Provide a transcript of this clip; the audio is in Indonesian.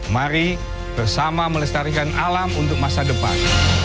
mari bersama melestarikan alam untuk masa depan